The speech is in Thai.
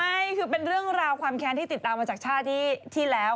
ใช่คือเป็นเรื่องราวความแค้นที่ติดตามมาจากชาติที่แล้ว